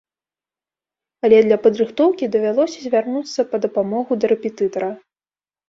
Але для падрыхтоўкі давялося звярнуцца па дапамогу да рэпетытара.